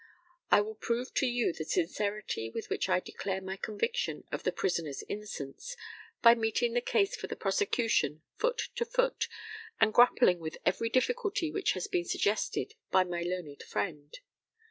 I will prove to you the sincerity with which I declare my conviction of the prisoner's innocence by meeting the case for the prosecution foot to foot, and grappling with every difficulty which has been suggested by my learned friend.